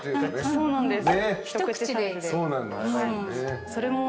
そうなんです。